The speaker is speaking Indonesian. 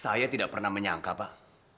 saya tidak pernah menyangka pak